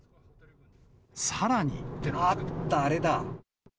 あった、あれだ。